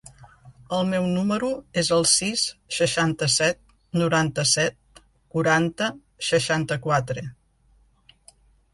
El meu número es el sis, seixanta-set, noranta-set, quaranta, seixanta-quatre.